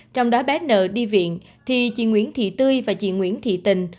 trong đó bé nợ đi viện thì chị nguyễn thị tươi và chị nguyễn thị tình